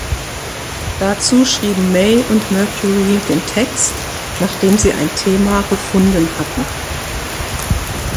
Dazu schrieben May und Mercury den Text, nachdem sie ein Thema gefunden hatten.